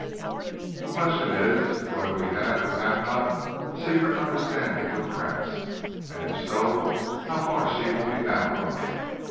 The question is whether we have or have not a secret understanding with France, and if so, how far she will be bound by it.